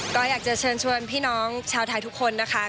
ก็อยากจะเชิญชวนพี่น้องชาวไทยทุกคนนะคะ